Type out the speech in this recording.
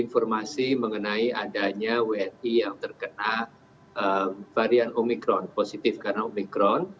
informasi mengenai adanya wni yang terkena varian omikron positif karena omikron